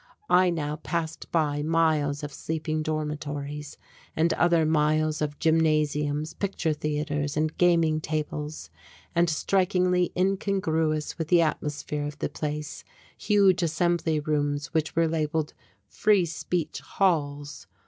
I now passed by miles of sleeping dormitories, and other miles of gymnasiums, picture theatres and gaming tables, and, strikingly incongruous with the atmosphere of the place, huge assembly rooms which were labelled "Free Speech Halls."